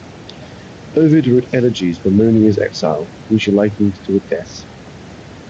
Ovid wrote elegies bemoaning his exile, which he likened to a death.